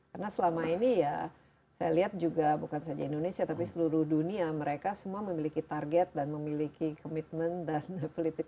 karena selama ini ya saya lihat juga bukan saja indonesia tapi seluruh dunia mereka semua memiliki target dan memiliki commitment dan political willingness